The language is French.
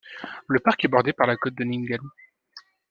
Le parc est bordé par la côte de Ningaloo.